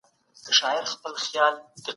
تر راتلونکي کاله به باطل بشپړ ماتې خوړلې وي.